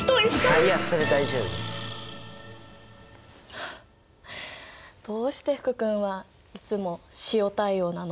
はあどうして福くんはいつも塩対応なの？